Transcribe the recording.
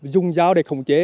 dùng dao để khống chế